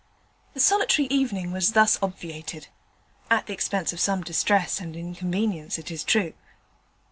The solitary evening was thus obviated; at the expense of some distress and inconvenience, it is true.